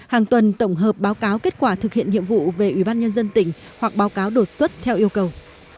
hàng tuần tổng hợp báo cáo kết quả thực hiện nhiệm vụ về ủy ban nhân dân tỉnh hoặc báo cáo đột xuất theo yêu cầu